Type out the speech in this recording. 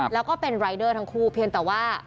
แล้วก็เป็นรายเดอร์ทั้งคู่เพียงแต่ว่า